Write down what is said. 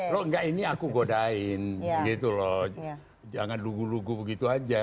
loh enggak ini aku godain gitu loh jangan lugu lugu begitu aja